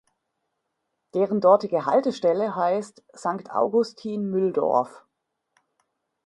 Deren dortige Haltestelle heißt "Sankt Augustin-Mülldorf".